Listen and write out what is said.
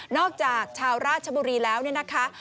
จากชาวราชบุรีแล้วเนี่ยนะคะ